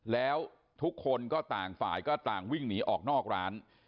แล้วทุกคนก็ต่างฝ่ายก็ต่างวิ่งหนีออกนอกร้าน